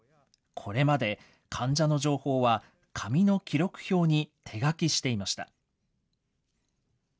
これまで患者の情報は、紙の記録票に手書きしていました。